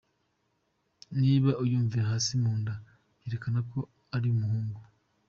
Niba uyumvira hasi mu nda, byerekana ko ari umuhungu.